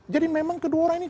jadi memang kedua orang ini